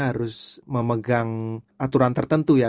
harus memegang aturan tertentu ya